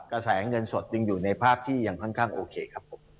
กระแสเงินสดยังอยู่ในภาพที่ยังค่อนข้างโอเคครับผม